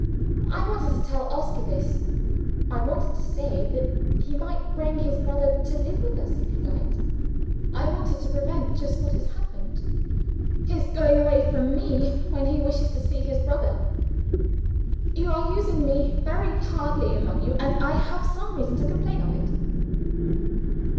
I wanted to tell Oscar this I wanted to say that he might bring his brother to live with us if he liked I wanted to prevent (just what has happened,) his going away from me when he wishes to see his brother. You are using me very hardly among you; and I have some reason to complain of it."